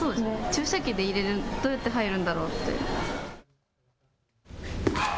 注射器で入れるってどうやって入るんだろう。